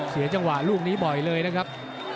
เสียจังหวะลูกนี้บ่อยเลยนะครับ